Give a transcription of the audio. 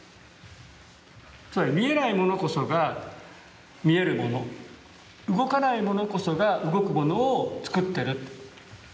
つまり見えないものこそが見えるもの動かないものこそが動くものをつくってる。